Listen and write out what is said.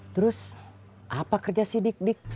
terus apa kerja si dik dik